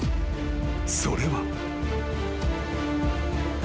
［それは］